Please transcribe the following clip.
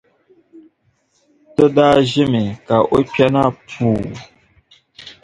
Ti daa ʒimi ka o kpɛna puu.